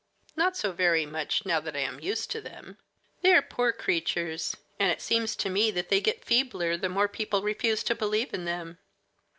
"Not so very much now that I am used to them. They are poor creatures; and it seems to me that they get feebler the more people refuse to believe in them."